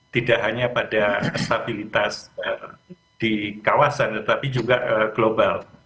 tidak hanya pada stabilitas di kawasan tetapi juga global